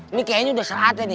ini kayaknya udah saatnya nih